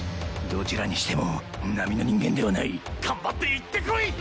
どちらにしても並の人間ではない頑張っていってこい！